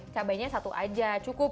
cabainya satu aja cukup